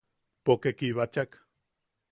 Poke kibachak.